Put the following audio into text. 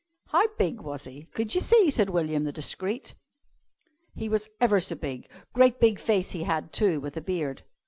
"How big was he? Could you see?" said William the discreet. "He was ever so big. Great big face he had, too, with a beard."